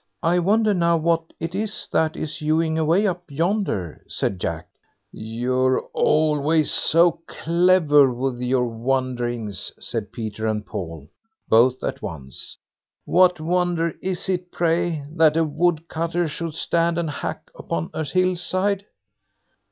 "I wonder now what it is that is hewing away up yonder?" said Jack. "You're always so clever with your wonderings", said Peter and Paul both at once. "What wonder is it, pray, that a woodcutter should stand and hack up on a hill side?"